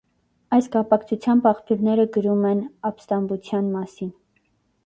Այս կապակցությամբ աղբյուրները գրում են «ապստամբության» մասին։